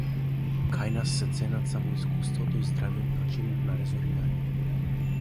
Кај нас се ценат само искуството и здравиот начин на резонирање.